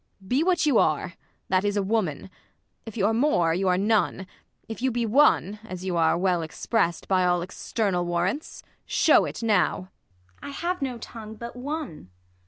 Be what you are ! That is, a woman, if y'are more y'are none, If you be one, as you are well exprest By all external warrants, sheAV it now. IsA. I have no tongue but one.